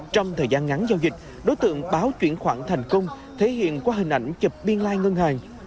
trong thời gian ngắn giao dịch đối tượng báo chuyển khoản thành công thể hiện qua hình ảnh chụp biên lai ngân hàng